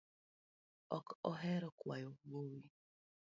Ok ahero kwayo gowi